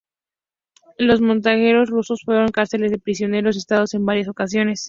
Los monasterios rusos fueron cárceles de los prisioneros de Estado en varias ocasiones.